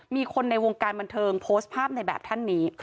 มีคนในวงการบันเทิงโพสต์ภาพในแบบท่านนี้